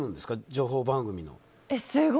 情報番組の。